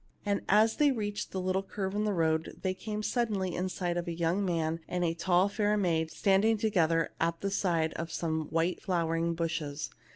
And as they reached the curve in the road they came suddenly in sight of a young man and a tall fair maid standing together at the side by some white flowering bushes.